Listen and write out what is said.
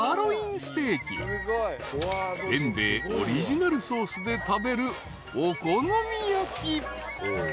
［弁兵衛オリジナルソースで食べるお好み焼き］